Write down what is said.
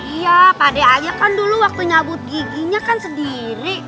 iya pade aja kan dulu waktu nyabut giginya kan sendiri